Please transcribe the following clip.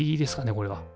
これは。